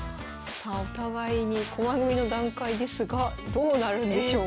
さあお互いに駒組みの段階ですがどうなるんでしょうか。